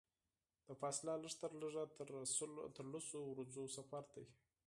دا فاصله لږترلږه د لسو ورځو سفر دی.